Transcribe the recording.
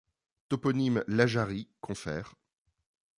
Toponyme La Jarrie, cf.